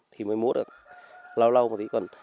thì mới múa được lâu lâu một tí